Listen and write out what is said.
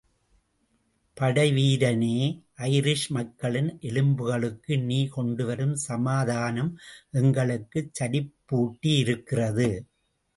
படை வீரனே ஐரிஷ் மக்களின் எலும்புகளுக்கு நீ கொண்டு வரும் சமாதானம் எங்களுக்குச் சலிப்பூட்டியிருக்கிறது.